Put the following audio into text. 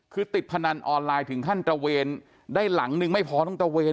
คือติดพนันออนไลน์ถึงขั้นตระเวนได้หลังนึงไม่พอต้องตระเวน